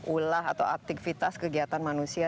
ulah atau aktivitas kegiatan manusia